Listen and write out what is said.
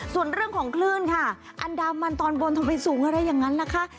ส่วนเรื่องของคลื่นค่ะอันดามันตอนบนทำไมสูงอะไรอย่างนั้นนะคะ